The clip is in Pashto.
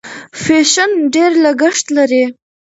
فیشن ډېر لګښت لري.